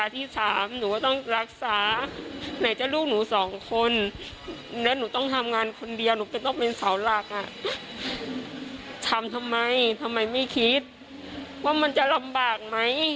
ทำไมไม่คิดว่ามันจะลำบากไหม